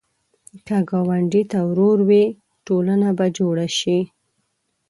که ګاونډي ته ورور وې، ټولنه به جوړه شي